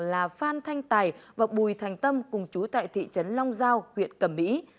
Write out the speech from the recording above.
là phan thanh tài và bùi thành tâm cùng chú tại thị trấn long giao huyện cẩm mỹ